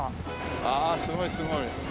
ああすごいすごい。